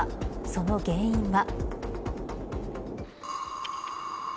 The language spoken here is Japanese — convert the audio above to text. その原因は。